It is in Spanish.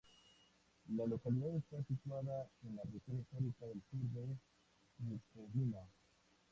La localidad está situada en la región histórica del sur de Bucovina.